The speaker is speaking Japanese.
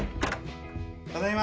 ただいま。